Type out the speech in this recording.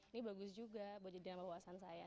ini bagus juga buat jadi drama wawasan saya